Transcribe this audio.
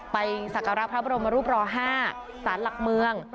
ศักระพระบรมรูปร๕สารหลักเมือง